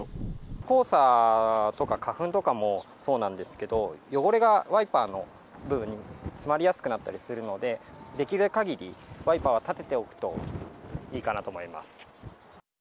黄砂とか花粉とかもそうなんですけど、汚れがワイパーの部分に詰まりやすくなったりするので、できるかぎり、ワイパーは立てておくといいかなと思います。